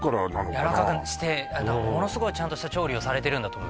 やわらかくしてものすごいちゃんとした調理をされてるんだと思います